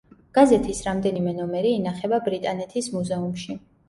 გაზეთის რამდენიმე ნომერი ინახება ბრიტანეთის მუზეუმში.